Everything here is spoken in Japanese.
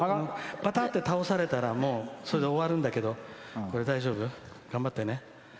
ぱたって倒されたらそれで終わるんだけど大丈夫？頑張ってね。